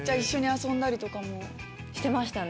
してましたね。